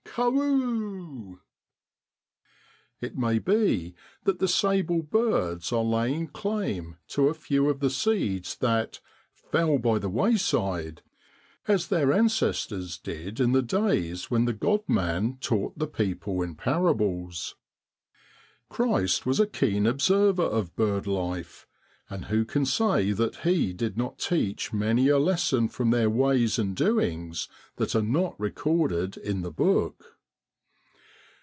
Carwhoo: It maybe that the sable birds are laying claim to a few of the seeds that * fell by the wayside, 5 as their ancestors did in the days when the (rod man taught the people in parables. Christ was a keen observer of bird life, and who can say that He did not teach many a lesson from their ways and doings that are not recorded in the Book